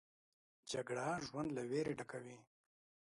جګړه ژوند له ویرې ډکوي